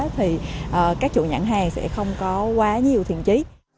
thì các chủ nhãn hàng sẽ không có quá nhiều thiền trí